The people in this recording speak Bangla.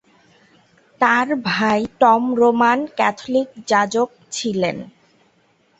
তার ভাই টম রোমান ক্যাথলিক যাজক ছিলেন।